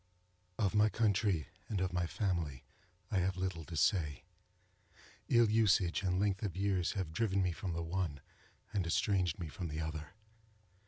Of my country and of my family I have little to say. Ill usage and length of years have driven me from the one, and estranged me from the other.